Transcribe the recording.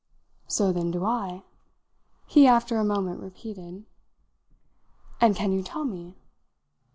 "So then do I," he after a moment repeated. "And can you tell me?"